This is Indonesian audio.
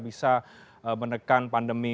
bisa menekan pandemi